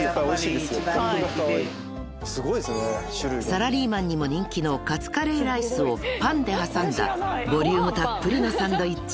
［サラリーマンにも人気のカツカレーライスをパンで挟んだボリュームたっぷりのサンドイッチ］